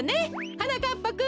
はなかっぱくん！